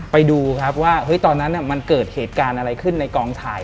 ไปดูครับว่าตอนนั้นมันเกิดเหตุการณ์อะไรขึ้นในกองถ่าย